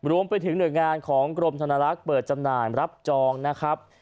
รวมไปถึงหน่วยงานของกรมธนลักษณ์เปิดจำหน่ายรับจองนะครับ